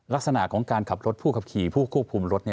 ลักษณะของการขับรถผู้ขับขี่ผู้ควบคุมรถ